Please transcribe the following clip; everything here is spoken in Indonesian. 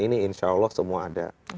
ini insya allah semua ada